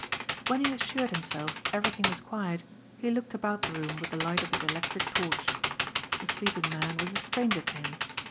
When he assured himself everything was quiet he looked about the room with the light of his electric torch. The sleeping man was a stranger to him.